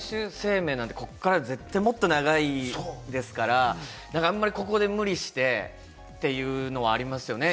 でも、選手生命なんて、これからもっとずっと長いですから、あんまりここで無理してっていうのはありますね。